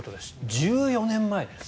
１４年前です。